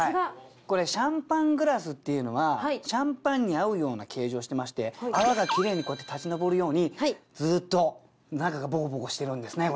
これシャンパングラスっていうのはシャンパンに合うような形状をしてまして泡が奇麗にこうやって立ち上るようにずっと中がボコボコしてるんですね